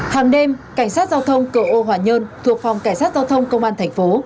hàng đêm cảnh sát giao thông cửa ô hòa nhơn thuộc phòng cảnh sát giao thông công an thành phố